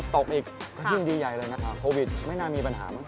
ตกอีกก็ยิ่งดีใหญ่เลยนะคะโควิดไม่น่ามีปัญหาบ้าง